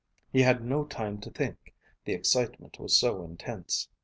He had no time to think, the excitement was so intense.